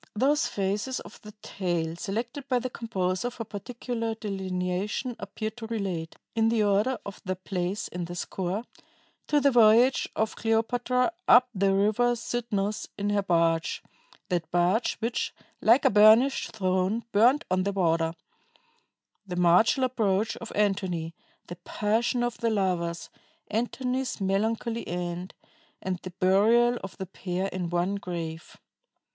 Those phases of the tale selected by the composer for particular delineation appear to relate in the order of their place in the score to the voyage of Cleopatra up the River Cydnus in her barge (that barge which, "like a burnished throne, burnt on the water"); the martial approach of Antony; the passion of the lovers; Antony's melancholy end, and the burial of the pair in one grave.